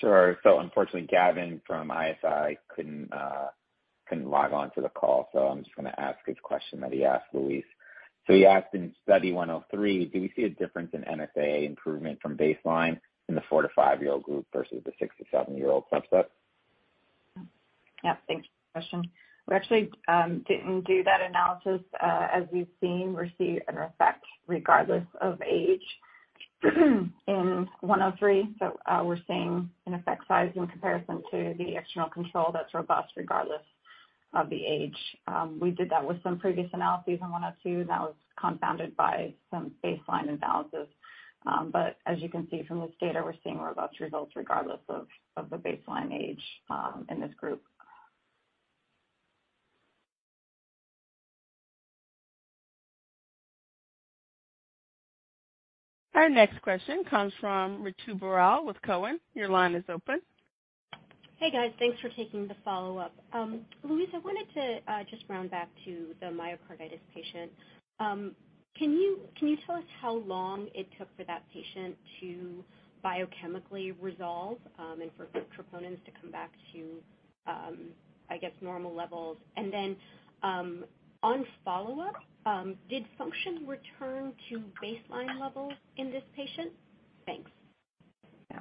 Sure. Unfortunately, Gavin from ISI couldn't log on to the call, so I'm just gonna ask his question that he asked Louise. He asked in Study 103, do we see a difference in MFA improvement from baseline in the four to five year-old group versus the six to seven year-old subset? Yeah, thanks for the question. We actually didn't do that analysis, as we've seen or see an effect regardless of age in 103. We're seeing an effect size in comparison to the external control that's robust regardless of the age. We did that with some previous analyses in 102. That was confounded by some baseline imbalances. As you can see from this data, we're seeing robust results regardless of the baseline age in this group. Our next question comes from Ritu Baral with TD Cowen. Your line is open. Hey, guys. Thanks for taking the follow-up. Louise Rodino-Klapac, I wanted to just round back to the myocarditis patient. Can you tell us how long it took for that patient to biochemically resolve, and for troponins to come back to, I guess, normal levels? On follow-up, did function return to baseline levels in this patient? Thanks. Yeah.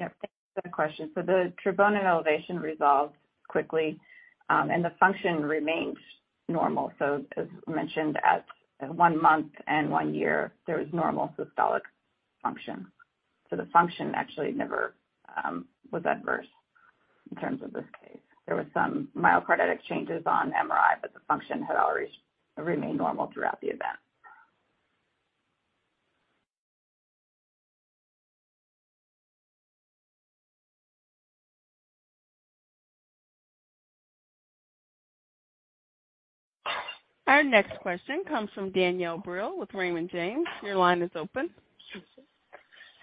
Yep. Thanks for the question. The troponin elevation resolved quickly, and the function remained normal. As mentioned, at one month and one year there was normal systolic function. The function actually never was adverse in terms of this case. There was some myocarditis changes on MRI, but the function had already remained normal throughout the event. Our next question comes from Danielle Brill with Raymond James. Your line is open.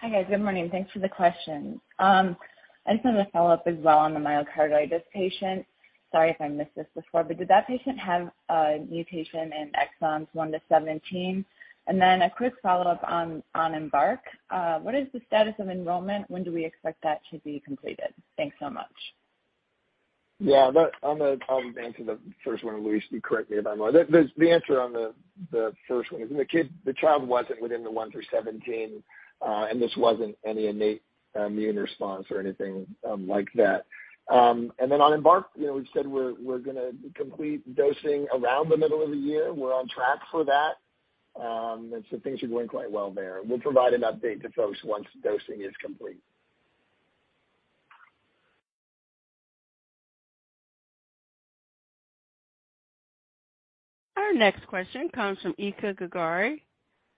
Hi, guys. Good morning. Thanks for the question. I just have a follow-up as well on the myocarditis patient. Sorry if I missed this before, but did that patient have a mutation in exons one to 17? A quick follow-up on EMBARK. What is the status of enrollment? When do we expect that to be completed? Thanks so much. I'll answer the first one, and Louise Rodino-Klapac, you correct me if I'm wrong. The answer on the first one is the child wasn't within the 1 through 17, and this wasn't any innate immune response or anything like that. And then on EMBARK, we said we're gonna complete dosing around the middle of the year. We're on track for that. So things are going quite well there. We'll provide an update to folks once dosing is complete. Our next question comes from Hartaj Singh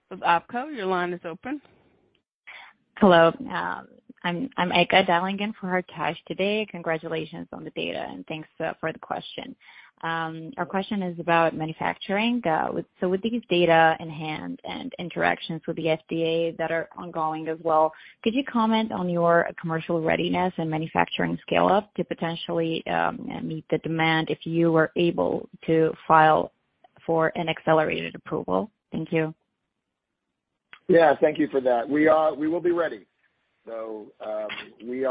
with OpCo. Your line is open. Hello. I'm Eka dialing in for Hartaj today. Congratulations on the data, and thanks for the question. Our question is about manufacturing. With these data in hand and interactions with the FDA that are ongoing as well, could you comment on your commercial readiness and manufacturing scale-up to potentially meet the demand if you were able to file for an accelerated approval? Thank you. Yeah. Thank you for that. We will be ready. We,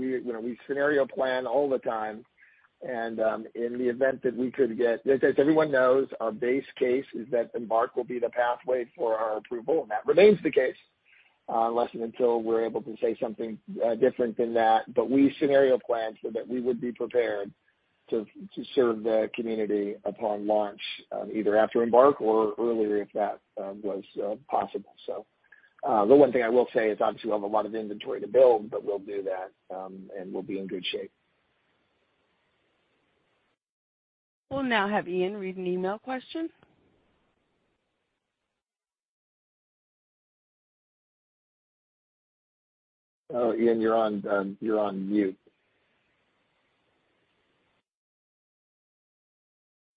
you know, scenario plan all the time and, in the event that we could get. As everyone knows, our base case is that EMBARK will be the pathway for our approval, and that remains the case, unless and until we're able to say something different than that. We scenario plan so that we would be prepared to serve the community upon launch, either after EMBARK or earlier if that was possible. The one thing I will say is obviously we'll have a lot of inventory to build, but we'll do that, and we'll be in good shape. We'll now have Ian read an email question. Oh, Ian, you're on mute.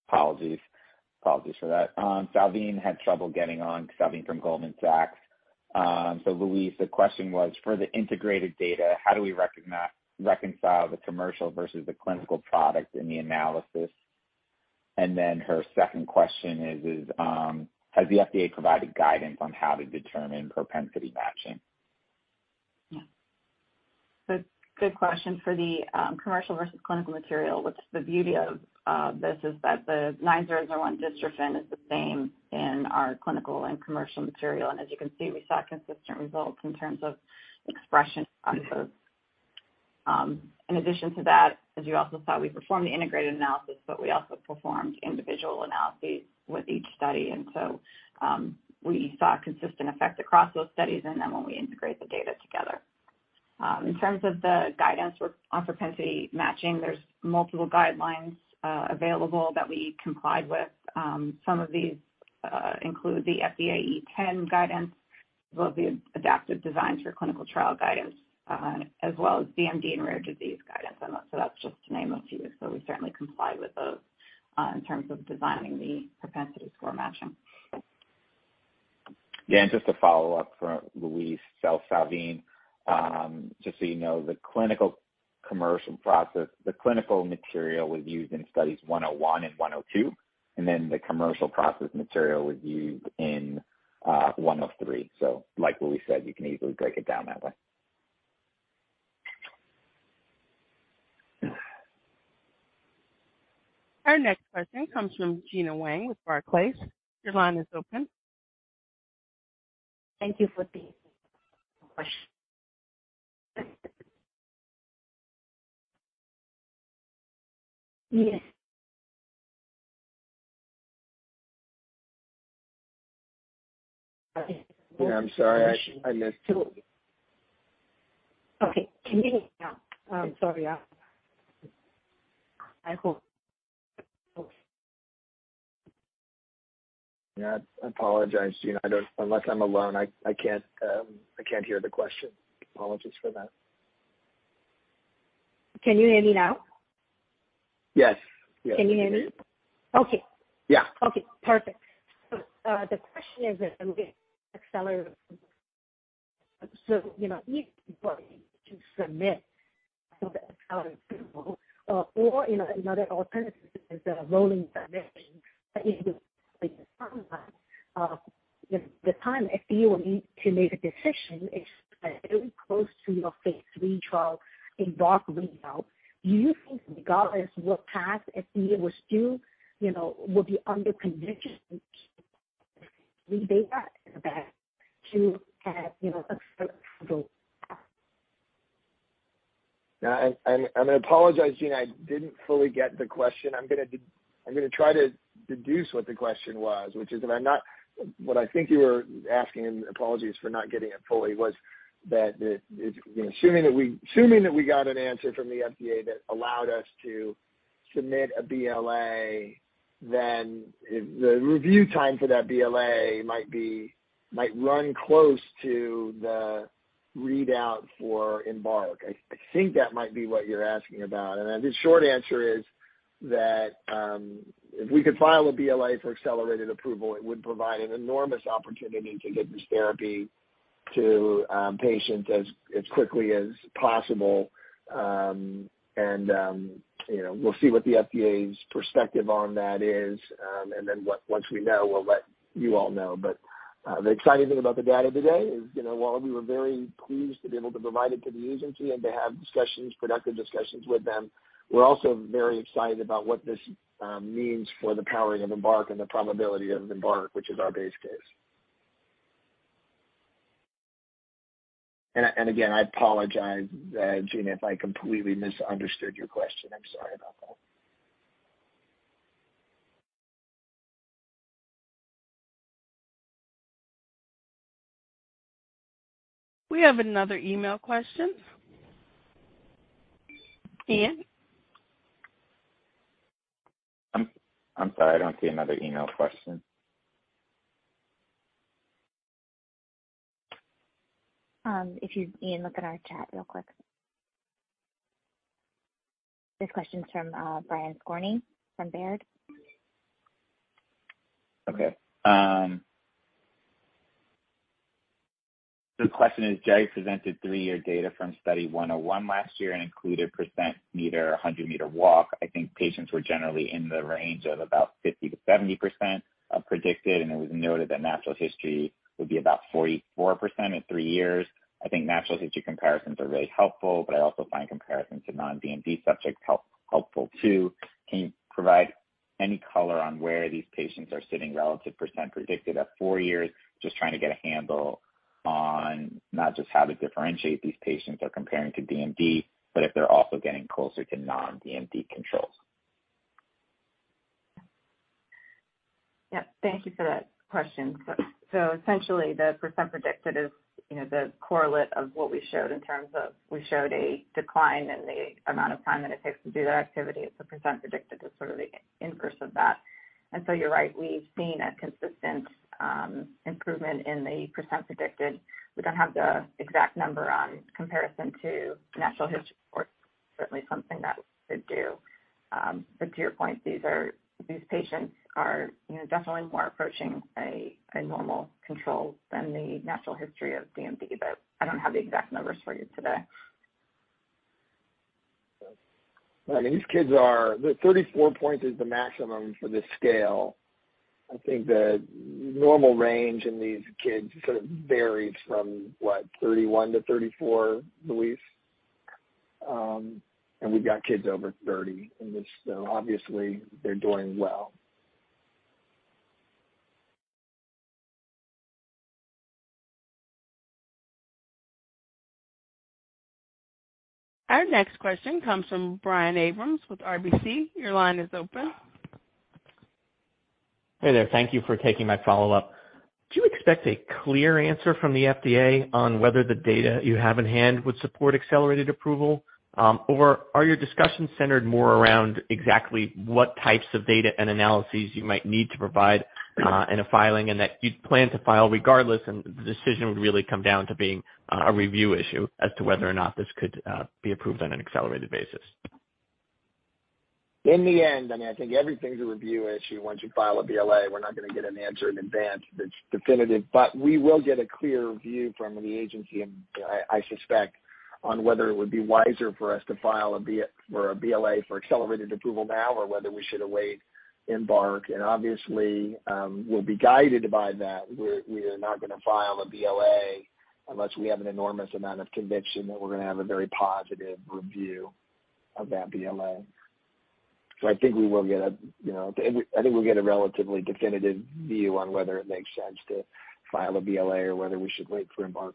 Apologies for that. Salveen had trouble getting on, Salveen from Goldman Sachs. Louise, the question was, for the integrated data, how do we reconcile the commercial versus the clinical product in the analysis? Her second question is, has the FDA provided guidance on how to determine propensity matching? Yeah. Good question. For the commercial versus clinical material, what's the beauty of this is that the 9001 dystrophin is the same in our clinical and commercial material. As you can see, we saw consistent results in terms of expression on both. In addition to that, as you also saw, we performed the integrated analysis, but we also performed individual analyses with each study. We saw consistent effect across those studies and then when we integrate the data together. In terms of the guidance on propensity matching, there's multiple guidelines available that we complied with. Some of these include the FDA E10 guidance, as well as the Adaptive Designs for Clinical Trial guidance, as well as DMD and Rare Disease guidance. That's just to name a few. We certainly comply with those, in terms of designing the propensity-score matching. Just to follow up for Louise, Salveen, just so you know, the clinical-commercial process. The clinical material was used in Studies 101 and 102, and then the commercial process material was used in 103. Like what we said, you can easily break it down that way. Our next question comes from Gena Wang with Barclays. Your line is open. Thank you for the question. Yes. Yeah. I'm sorry. I missed it. Okay. Can you hear me now? I'm sorry. I hope. Yeah. I apologize, Gena. Unless I'm alone, I can't hear the question. Apologies for that. Can you hear me now? Yes. Yes. Can you hear me? Okay. Yeah. Okay. Perfect. The question is if I'm getting accelerated, so you know to submit for the accelerated approval, or you know another alternative is a rolling submission. If the timeline, the time FDA will need to make a decision is very close to your phase III trial EMBARK readout. Do you think regardless what path FDA will still you know be under conviction to have you know approved? Yeah. I'm gonna apologize, Gena. I didn't fully get the question. I'm gonna try to deduce what the question was, which is, What I think you were asking, and apologies for not getting it fully, was that, you know, assuming that we got an answer from the FDA that allowed us to submit a BLA, then if the review time for that BLA might be, might run close to the readout for Embark. I think that might be what you're asking about. The short answer is that, if we could file a BLA for accelerated approval, it would provide an enormous opportunity to get this therapy to patients as quickly as possible. You know, we'll see what the FDA's perspective on that is. Once we know, we'll let you all know. The exciting thing about the data today is, you know, while we were very pleased to be able to provide it to the agency and to have discussions, productive discussions with them, we're also very excited about what this means for the powering of EMBARK and the probability of EMBARK, which is our base case. Again, I apologize, Gina, if I completely misunderstood your question. I'm sorry about that. We have another email question. Ian? I'm sorry. I don't see another email question. If you, Ian, look at our chat real quick. This question's from Brian Skorney from Baird. Okay. The question is, Jerry presented three-year data from study 101 last year and included percent predicted 100-meter walk. I think patients were generally in the range of about 50%-70% predicted, and it was noted that natural history would be about 44% at three years. I think natural history comparisons are really helpful, but I also find comparisons to non-DMD subjects helpful too. Can you provide any color on where these patients are sitting relative percent predicted at four years? Just trying to get a handle on not just how these patients are comparing to DMD, but if they're also getting closer to non-DMD controls. Yeah. Thank you for that question. Essentially, the percent predicted is, you know, the correlate of what we showed in terms of we showed a decline in the amount of time that it takes to do that activity. The percent predicted is sort of the inverse of that. You're right, we've seen a consistent improvement in the percent predicted. We don't have the exact number on comparison to natural history, or certainly something that we could do. To your point, these patients are, you know, definitely more approaching a normal control than the natural history of DMD, but I don't have the exact numbers for you today. I mean, the 34 point is the maximum for this scale. I think the normal range in these kids sort of varies from, what, 31 to 34, Louise? We've got kids over 30 in this, so obviously they're doing well. Our next question comes from Brian Abrahams with RBC. Your line is open. Hey there. Thank you for taking my follow-up. Do you expect a clear answer from the FDA on whether the data you have in hand would support accelerated approval? Or are your discussions centered more around exactly what types of data and analyses you might need to provide in a filing and that you'd plan to file regardless, and the decision would really come down to being a review issue as to whether or not this could be approved on an accelerated basis? In the end, I mean, I think everything's a review issue once you file a BLA. We're not gonna get an answer in advance that's definitive. We will get a clear view from the agency, and I suspect on whether it would be wiser for us to file a BLA for accelerated approval now, or whether we should await EMBARK. Obviously, we'll be guided by that. We're not gonna file a BLA unless we have an enormous amount of conviction that we're gonna have a very positive review of that BLA. I think we'll get a relatively definitive view on whether it makes sense to file a BLA or whether we should wait for EMBARK.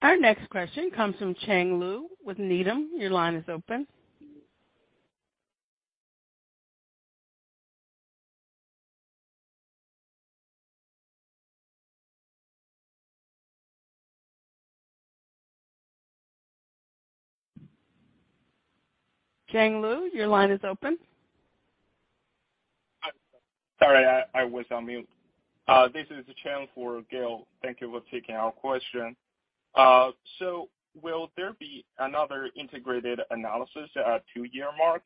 Our next question comes from Chang Liu with Needham. Your line is open. Chang Liu, your line is open. Sorry, I was on mute. This is Chang for Gail. Thank you for taking our question. Will there be another integrated analysis at two-year mark?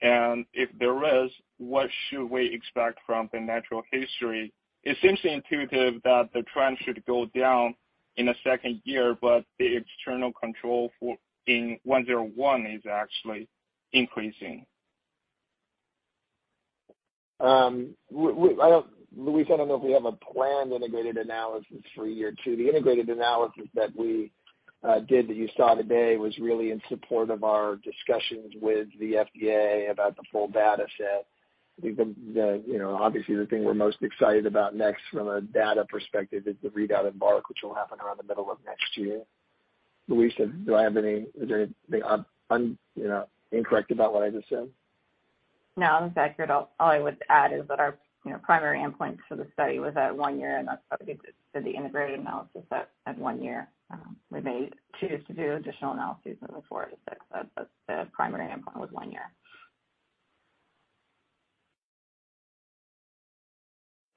If there is, what should we expect from the natural history? It seems intuitive that the trend should go down in the second year, but the external control for 101 is actually increasing. I don't know if we have a planned integrated analysis for year two. The integrated analysis that we did that you saw today was really in support of our discussions with the FDA about the full data set. I think you know, obviously the thing we're most excited about next from a data perspective is the readout EMBARK, which will happen around the middle of next year. Louise, do I have any? Is there anything I'm you know, incorrect about what I just said? No, that's accurate. All I would add is that our, you know, primary endpoint for the study was at one year, and that's obviously for the integrated analysis that at one year, we may choose to do additional analysis of the four to six. But the primary endpoint was one year.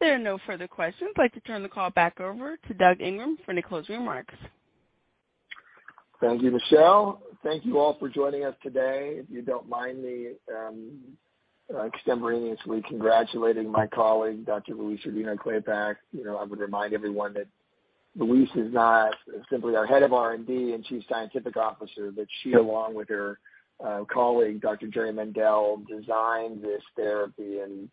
There are no further questions. I'd like to turn the call back over to Doug Ingram for any closing remarks. Thank you, Michelle. Thank you all for joining us today. If you don't mind me extemporaneously congratulating my colleague, Dr. Louise Rodino-Klapac. You know, I would remind everyone that Louise is not simply our head of R&D and Chief Scientific Officer, but she along with her colleague, Dr. Jerry Mendell, designed this therapy and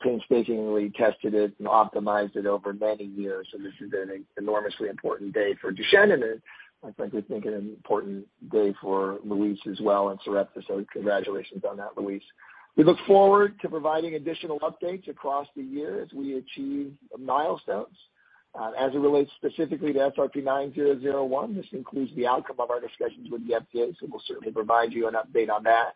painstakingly tested it and optimized it over many years. This is an enormously important day for Duchenne, and I frankly think an important day for Louise as well and Sarepta. Congratulations on that, Louise. We look forward to providing additional updates across the year as we achieve milestones. As it relates specifically to SRP-9001, this includes the outcome of our discussions with the FDA, so we'll certainly provide you an update on that,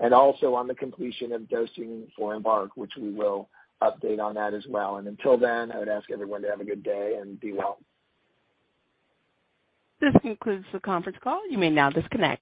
and also on the completion of dosing for EMBARK, which we will update on that as well. Until then, I would ask everyone to have a good day and be well. This concludes the conference call. You may now disconnect.